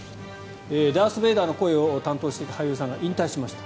ダース・ベイダーの声を担当していた俳優さんが引退しました。